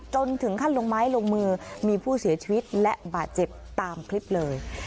จนถึงขั้นลงไม้ลงมือมีผู้เสียชีวิตและบาดเจ็บตามคลิปเลย